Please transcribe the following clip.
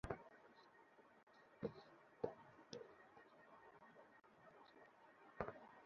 পরে এলাকার কয়েকজনের সহায়তায় তিনি শমশেরনগর বিএএফ শাহীন কলেজে ভর্তি হন।